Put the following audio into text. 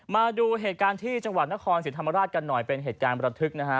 มาดูเหตุการณ์ที่จังหวัดนครศรีธรรมราชกันหน่อยเป็นเหตุการณ์ประทึกนะฮะ